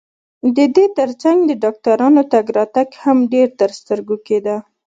د دې ترڅنګ د ډاکټرانو تګ راتګ هم ډېر ترسترګو کېده.